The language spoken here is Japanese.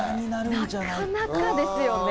なかなかですよね。